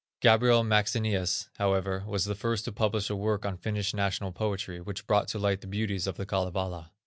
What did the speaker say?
Gabriel Maxenius, however, was the first to publish a work on Finnish national poetry, which brought to light the beauties of the Kalevala.